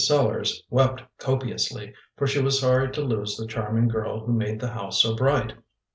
Sellars wept copiously, for she was sorry to lose the charming girl who made the house so bright.